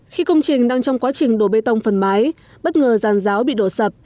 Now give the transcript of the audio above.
khi công trình đang trong quá trình đổ bê tông phần mái bất ngờ ràn ráo bị đổ sập